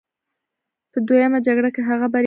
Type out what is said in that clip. په دویمه جګړه کې هغه بریالی شو.